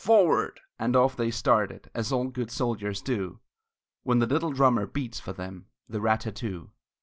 "Forward!" and off they started, As all good soldiers do, When the little drummer beats for them The rat tat too.